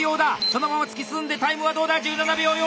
そのまま突き進んでタイムはどうだ⁉１７秒４８！